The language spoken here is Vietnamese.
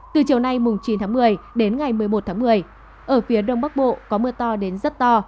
từ chiều nay chín một mươi đến ngày một mươi một một mươi ở phía đông bắc bộ có mưa to